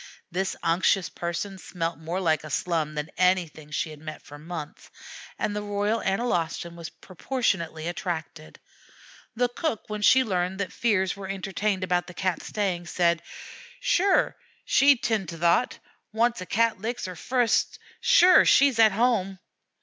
This unctuous person smelt more like a slum than anything she had met for months, and the Royal Analostan was proportionately attracted. The cook, when she learned that fears were entertained about the Cat staying, said: "Shure, she'd 'tind to thot; wanst a Cat licks her futs, shure she's at home."